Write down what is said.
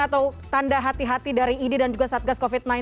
atau tanda hati hati dari idi dan juga satgas covid sembilan belas